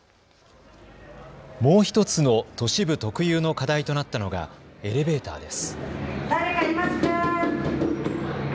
もう１つの都市部特有の課題となったのがエレベーターです。